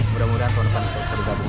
mudah mudahan ke depan tetap bersama sama